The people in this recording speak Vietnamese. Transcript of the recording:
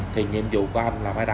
thì nhiệm vụ của anh là phải đặt